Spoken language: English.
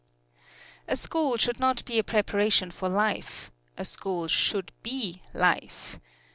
A school should not be a preparation for life: a school should be life.